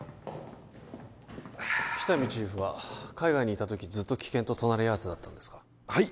喜多見チーフは海外にいた時ずっと危険と隣り合わせだったんですかはい？